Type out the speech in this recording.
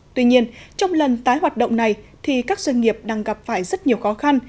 tuy nhiên trong lần tái hoạt động này thì các doanh nghiệp đang gặp phải rất nhiều khó khăn